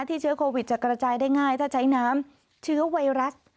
เชื้อโควิดจะกระจายได้ง่ายถ้าใช้น้ำเชื้อไวรัส